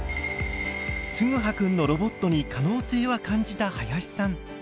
つぐはくんのロボットに可能性は感じた林さん。